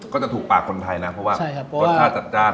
ก็จะถูกปากคนไทยนะเพราะว่ารสชาติจัดจ้าน